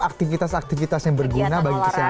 aktivitas aktivitas yang berguna bagi kesehatan